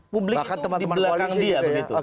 publik itu di belakang dia